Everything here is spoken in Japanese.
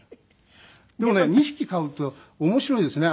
でもね２匹飼うと面白いですね